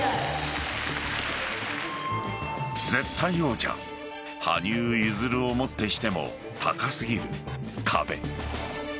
絶対王者羽生結弦をもってしても高すぎる壁。